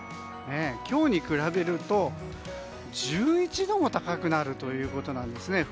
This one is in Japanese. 今日に比べると１１度も高くなるということです。